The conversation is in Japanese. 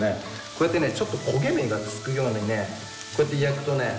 こうやってねちょっと焦げ目がつくようにねこうやって焼くとね